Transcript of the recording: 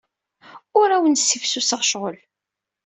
Ur awen-ssifsuseɣ ccɣel.